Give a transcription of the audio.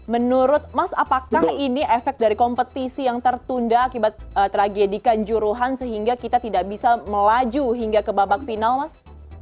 menurut mas apakah ini efek dari kompetisi yang tertunda akibat tragedikan juruhan sehingga kita tidak bisa melaju hingga ke babak final mas